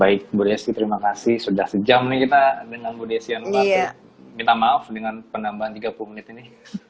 baik burih sih terima kasih sudah sejam nih kita dengan budesian ia minta maaf dengan penambahan tiga puluh menit ini